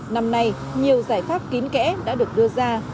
năm nay nhiều giải pháp kín kẽ đã được đưa ra